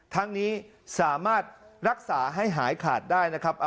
ทั้งนี้สามารถรักษาให้หายขาดได้นะครับ